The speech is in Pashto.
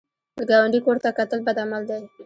د ګاونډي کور ته کتل بد عمل دی